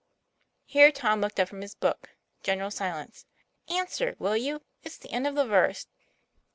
i n Here Tom looked up from his book. General silence. "Answer, will you it's the end of the verse."